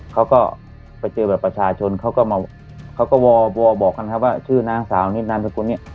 เขาก็ไปเจอแบบประชาชนเขาก็มาเขาก็วอลบอกกันครับว่าชื่อนางสาวนิดนามสกุลเนี่ย